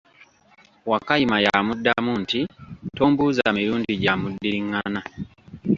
Wakayima y'amuddamu nti, tombuuza mirundi gya muddiringana.